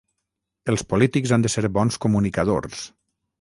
Els polítics han de ser bons comunicadors.